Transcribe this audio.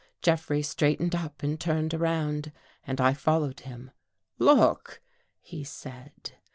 Jeffrey straightened up and turned around and I followed him. "Look!" he said.